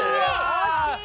惜しいな！